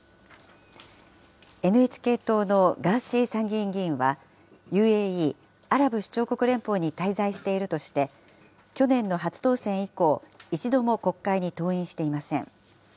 ＮＨＫ党のガーシー参議院議員は、ＵＡＥ・アラブ首長国連邦に滞在しているとして、去年の初当選以降、一度も国会に登院していません。